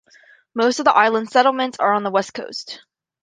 Most of the island's settlements are on the west coast.